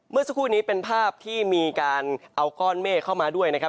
เมื่อสักครู่นี้เป็นภาพที่มีการเอาก้อนเมฆเข้ามาด้วยนะครับ